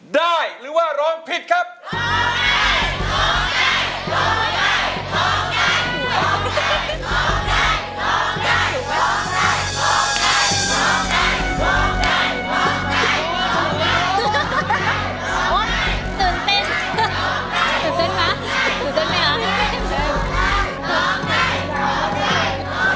ตื่นเต้นตื่นเต้นป่ะตื่นเต้นมั้ยคะ